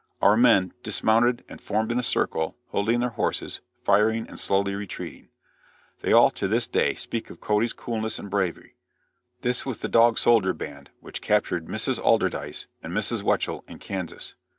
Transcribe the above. Our men, dismounted and formed in a circle, holding their horses, firing and slowly retreating. They all, to this day, speak of Cody's coolness and bravery. This was the Dog Soldier band which captured Mrs. Alderdice and Mrs. Weichel in Kansas.